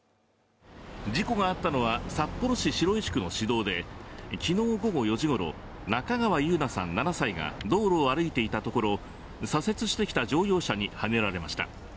事故があったのは札幌市白石区の市道で、昨日午後４時ごろ中川優菜さん７歳が道路を歩いていたところ、左折してきた乗用車にはねられました。